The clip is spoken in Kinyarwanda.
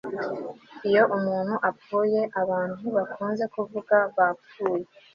iyo umuntu apfuye, abantu ntibakunze kuvuga bapfuye